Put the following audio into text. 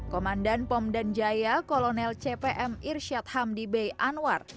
komandan pom dan jaya kolonel cpm irsyad hamdi b anwar